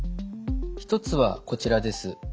１つはこちらです。